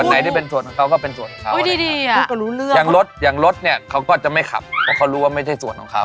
ไหนที่เป็นส่วนของเขาก็เป็นส่วนเขารู้เรื่องอย่างรถอย่างรถเนี่ยเขาก็จะไม่ขับเพราะเขารู้ว่าไม่ใช่ส่วนของเขา